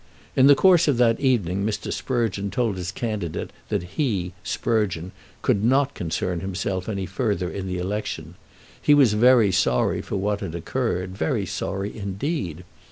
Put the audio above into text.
In the course of that evening Mr. Sprugeon told his candidate that he, Sprugeon, could not concern himself any further in that election. He was very sorry for what had occurred; very sorry indeed.